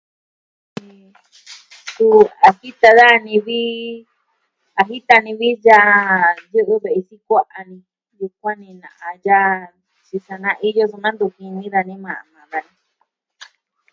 Ku a jita dani vi, a jita ni vi yaa, yɨ'ɨ ve'i sikua'a a ni. Sukuan ni na'a yaa sa, tyi sa naa iyo, suu da ntu jini dani majan, maa dani.